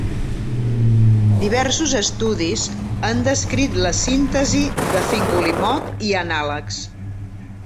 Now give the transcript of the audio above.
Diversos estudis han descrit la síntesi de fingolimod i anàlegs.